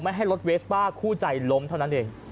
ให้รถเวสป้าคู่ใจล้มเท่านั้นเอง